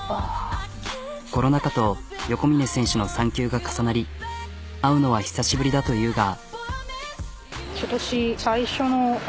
コロナ禍と横峯選手の産休が重なり会うのは久しぶりだというが。